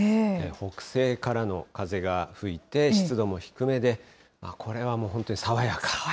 北西からの風が吹いて、湿度も低めで、これはもう本当に爽やか。